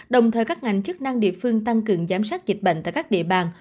đồng thời các ngành chức năng địa phương tăng cường giám sát dịch bệnh tại các địa bàn